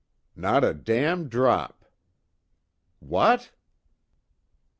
"Not a damned drop!" "What!"